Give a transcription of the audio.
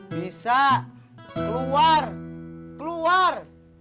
bisa keluar keluar